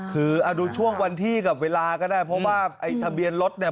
คือดูช่วงวันที่กับเวลาก็ได้เพราะว่าไอ้ทะเบียนรถเนี่ย